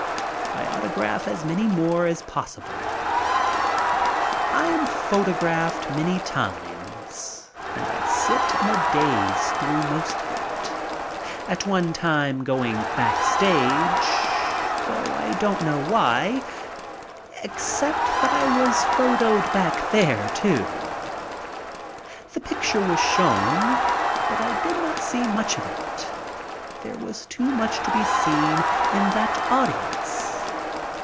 I auto graph as many more as possible, I am photographed many times and I sit in a daze through most of it, at one time going back stage, though I don't know why, except that I was photoed back there, too. The picture was shown, but I did not see much of it. There was too much to be seen in that audience.